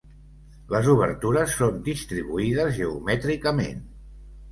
Les obertures són distribuïdes geomètricament.